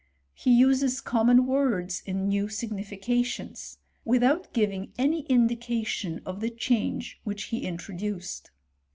He uses common words in new significations, without giving any indication of the change which he introduced.